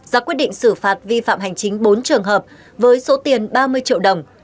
ra quyết định xử phạt vi phạm hành chính bốn trường hợp với số tiền ba mươi triệu đồng